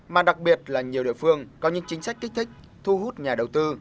mà đặc biệt là nhiều địa phương có những chính sách kích thích thu hút nhà đầu tư